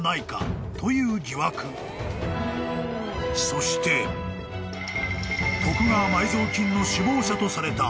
［そして徳川埋蔵金の首謀者とされた］